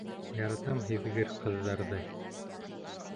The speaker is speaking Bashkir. Яратам һиҙгер ҡыҙҙарҙы!